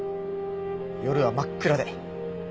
夜は真っ暗で。